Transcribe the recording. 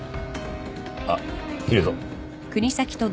あっ切るぞ。